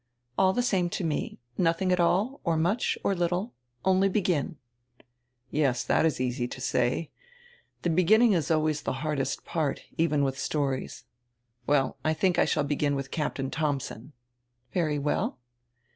"All tire same to me: nothing at all or much or little. Only begin." "Yes, that is easy to say. The beginning is always tire hardest part, even with stories. Well, I think I shall begin with Captain Thomsen." "Very well."